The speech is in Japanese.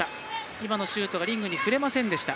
今のシュートがリングに触れませんでした。